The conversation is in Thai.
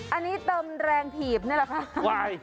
อันนี้เติมแรงผีบเลยล่ะค่ะ